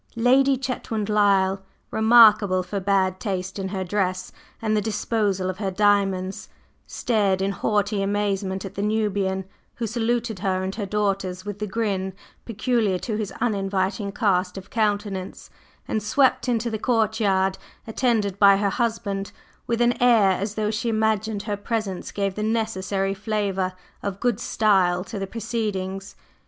Lady Chetwynd Lyle, remarkable for bad taste in her dress and the disposal of her diamonds, stared in haughty amazement at the Nubian, who saluted her and her daughters with the grin peculiar to his uninviting cast of countenance, and swept into the courtyard attended by her husband with an air as though she imagined her presence gave the necessary flavor of "good style" to the proceedings.